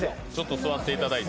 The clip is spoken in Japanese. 座っていただいて。